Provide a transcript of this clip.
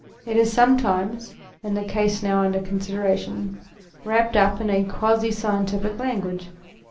It is some times, in the case now under consideration, wrapt up in a quasi scientific language.